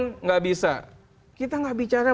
tidak bisa kita nggak bicara